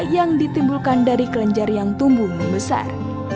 yang ditimbulkan dari kelenjar yang tumbuh membesar